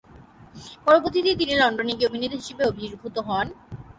পরবর্তীতে তিনি লন্ডনে গিয়ে অভিনেতা হিসেবে আবির্ভূত হন।